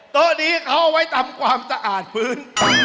โต๊ะนี้เขาเอาไว้ทำความสะอาดพื้น